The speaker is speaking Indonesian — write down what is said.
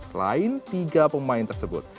selain tiga pemain tersebut